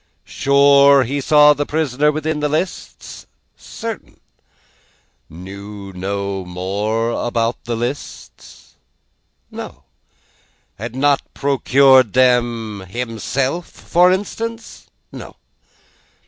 Sure he saw the prisoner with these lists? Certain. Knew no more about the lists? No. Had not procured them himself, for instance? No.